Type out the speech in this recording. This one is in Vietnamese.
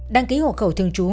đăng ký hộ khẩu thường trú